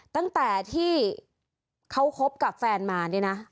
ตั้งแต่ที่เขาคบกับแฟนมาเนี่ยนะ